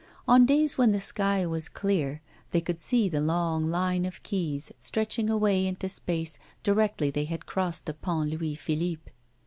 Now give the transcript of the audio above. On days when the sky was clear, they could see the long line of quays stretching away into space directly they had crossed the Pont Louis Philippe.